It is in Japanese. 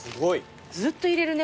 ずっといれるね